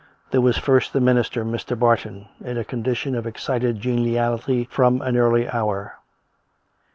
There was first the minister, Mr. Bar ton, in a condition of excited geniality from an early hour.